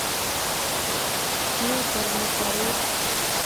kiweto ano sobet?